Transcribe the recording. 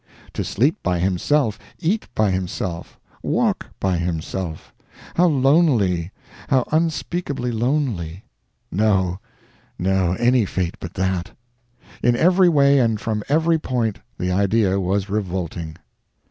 To sleep by himself, eat by himself, walk by himself how lonely, how unspeakably lonely! No, no, any fate but that. In every way and from every point, the idea was revolting.